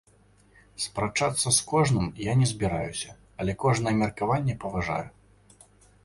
Спрачацца з кожным я не збіраюся, але кожнае меркаванне паважаю.